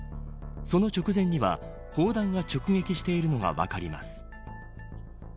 その直前には砲弾が直撃しているのが分かります。